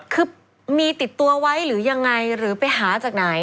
คือมีติดตัวไว้หรือยังไงหรือไปหาจากไหน